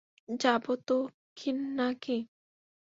যাবো তো না-কি?